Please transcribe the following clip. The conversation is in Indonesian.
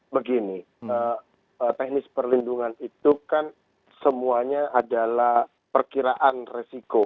begini teknis perlindungan itu kan semuanya adalah perkiraan resiko